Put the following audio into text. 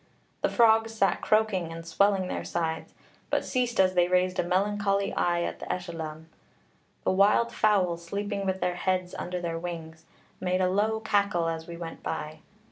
The frogs sat croaking and swelling their sides, but ceased as they raised a melancholy eye at the Ellylldan. The wild fowl, sleeping with their heads under their wings, made a low cackle as we went by.